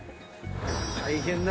大変だ。